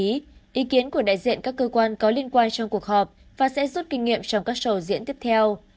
ý kiến của đại diện các cơ quan có liên quan trong cuộc họp và sẽ rút kinh nghiệm trong các sầu diễn tiếp theo